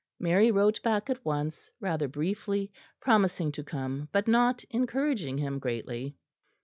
Mary wrote back at once, rather briefly, promising to come; but not encouraging him greatly.